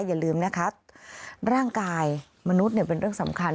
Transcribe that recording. อย่าลืมนะคะร่างกายมนุษย์เป็นเรื่องสำคัญ